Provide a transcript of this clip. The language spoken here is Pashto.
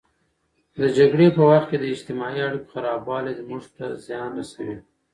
د جګړې په وخت کې د اجتماعي اړیکو خرابوالی زموږ ته زیان رسوي.